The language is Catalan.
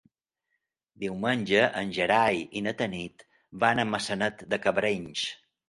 Diumenge en Gerai i na Tanit van a Maçanet de Cabrenys.